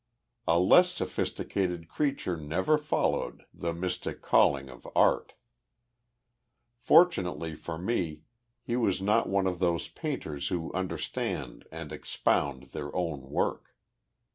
A less sophisticated creature never followed the mystic calling of art. Fortunately for me, he was not one of those painters who understand and expound their own work.